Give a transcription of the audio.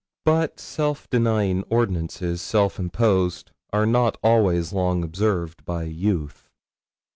But self denying ordinances self imposed are not always long observed by youth.